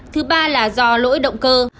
thứ ba là do lỗi động cơ